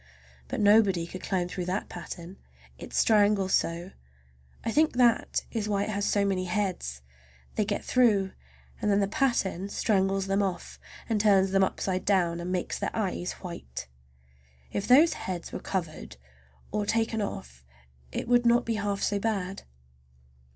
But nobody could climb through that pattern—it strangles so; I think that is why it has so many heads. They get through, and then the pattern strangles them off and turns them upside down, and makes their eyes white! If those heads were covered or taken off it would not be half so bad.